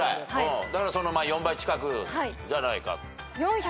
だからその４倍近くじゃないか。